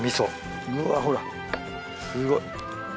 うわほらすごい。